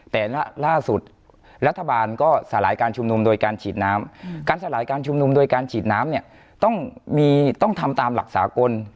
แต่ล่าสุดรัฐบาลก็สลายการชุมนุมโดยการฉีดน้ำการสลายการชุมนุมโดยการฉีดน้ำเนี่ยต้องมีต้องทำตามหลักสากล